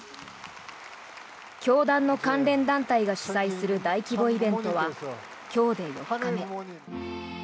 教団の関連団体が主催する大規模イベントは今日で４日目。